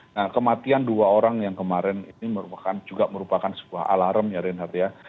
nah kematian dua orang yang kemarin ini juga merupakan sebuah alarm ya reinhardt ya